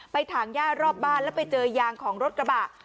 ถางย่ารอบบ้านแล้วไปเจอยางของรถกระบะ